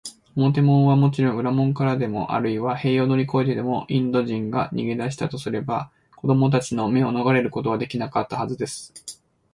表門はもちろん、裏門からでも、あるいは塀を乗りこえてでも、インド人が逃げだしたとすれば、子どもたちの目をのがれることはできなかったはずです。